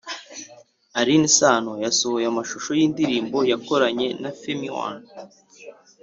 alyn sano yasohoye amashusho y’indirimbo yakoranye na femi one